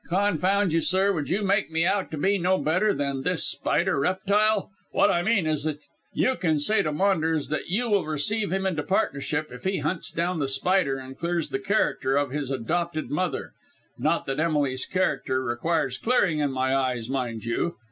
"Confound you, sir, would you make me out to be no better than this spider reptile. What I mean is that you can say to Maunders that you will receive him into partnership if he hunts down The Spider and clears the character of his adopted mother. Not that Emily's character requires clearing in my eyes, mind you.